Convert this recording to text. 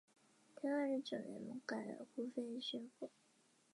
归纳论证从来就不是有约束力的但它们可以是有说服力的。